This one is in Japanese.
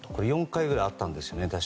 ４回ぐらいあったんですよね。